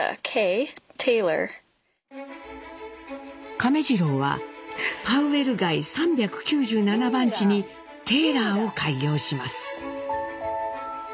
亀治郎はパウエル街３９７番地にテーラーを開業します。